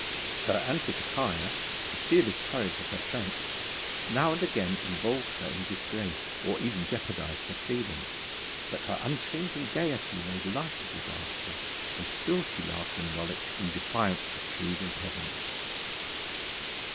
Her antic attire, the fearless courage of her pranks, now and again involved her in disgrace or even jeopardised her freedom; but her unchanging gaiety made light of disaster, and still she laughed and rollicked in defiance of prude and pedant.